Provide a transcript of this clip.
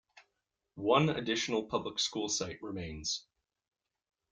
One additional public school site remains.